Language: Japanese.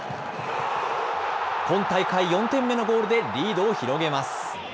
今大会４点目のゴールでリードを広げます。